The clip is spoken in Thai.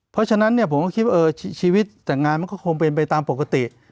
เพราะฉะนั้นเนี่ยผมก็คิดว่าชีวิตแต่งงานมันก็คงเป็นไปตามปกติ